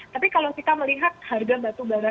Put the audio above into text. tapi kalau kita melihat harga batubara